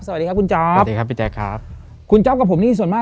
สวัสดีครับคุณจ๊อปสวัสดีครับพี่แจ๊คครับคุณจ๊อปกับผมนี่ส่วนมาก